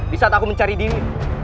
di saat aku mencari diri